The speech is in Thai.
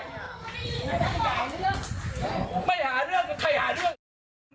คนนึงอย่างอีกคนนึง